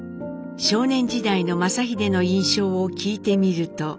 少年時代の正英の印象を聞いてみると。